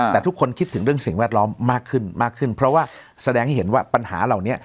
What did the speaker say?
แต่ทุกคนคิดถึงเรื่องสิ่งแวดล้อมมากขึ้นมากขึ้นเพราะว่าแสดงให้เห็นว่าปัญหาเหล่านี้